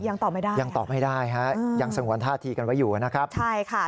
ยังตอบไม่ได้ครับยังสงวนท่าทีกันไว้อยู่นะครับใช่ค่ะ